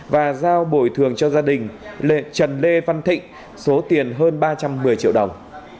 và giao bồi thường cho gia đình trần lê văn thịnh số tiền hơn ba trăm một mươi triệu đồng